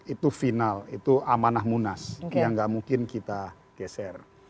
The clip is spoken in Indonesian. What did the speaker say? itu final itu amanah munas yang gak mungkin kita geser